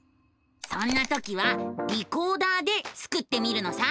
そんな時は「リコーダー」でスクってみるのさ！